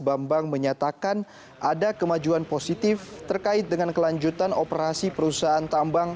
bambang menyatakan ada kemajuan positif terkait dengan kelanjutan operasi perusahaan tambang